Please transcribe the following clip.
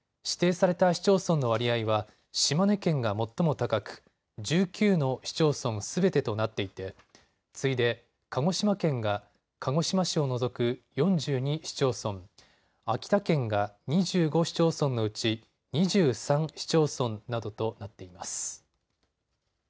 指定された市町村の割合は島根県が最も高く、１９の市町村すべてとなっていて次いで鹿児島県が鹿児島市を除く４２市町村、秋田県が２５市町村のうち２３市町村などとなっています。